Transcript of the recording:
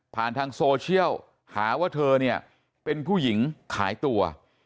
ทางโซเชียลหาว่าเธอเนี่ยเป็นผู้หญิงขายตัว